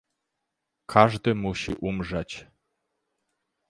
"Każdy musi umrzeć."